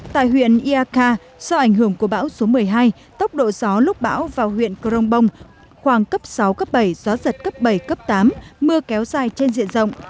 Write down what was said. tại huyện iaka do ảnh hưởng của bão số một mươi hai tốc độ gió lúc bão vào huyện crong bông khoảng cấp sáu cấp bảy gió giật cấp bảy cấp tám mưa kéo dài trên diện rộng